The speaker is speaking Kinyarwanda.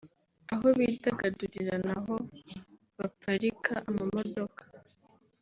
aho bidagadurira n’aho baparika amamodoka